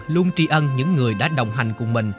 luôn tri ân những người đã đồng hành cùng mình